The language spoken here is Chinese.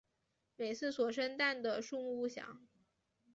每次所生蛋的数目不详。